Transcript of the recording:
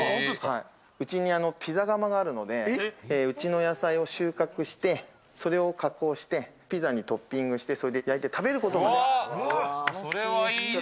うちにピザ窯があるのでうちの野菜を収穫して、それを加工して、ピザにトッピングして、焼いて食べることもできる。